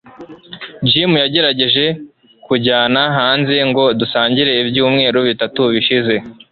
jim yagerageje kunjyana hanze ngo dusangire ibyumweru bitatu bishize